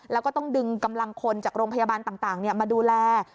แล้วก็ต้องดึงกำลังคนจากโรงพยาบาลต่างมาดูแล